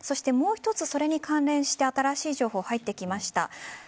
もう一つ、それに関連して新しい情報が入ってきました。